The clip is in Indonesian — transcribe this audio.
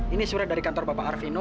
ini surat dari kantor bapak arvino